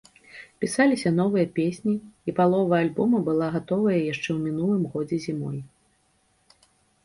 Пісаліся новыя песні, і палова альбома была гатовая яшчэ ў мінулым годзе зімой.